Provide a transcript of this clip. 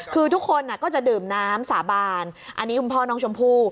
คือทุกคนก็จะดื่มน้ำสาบานอันนี้คุณพ่อน้องชมพู่